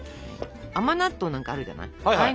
甘納豆なんかあるじゃない。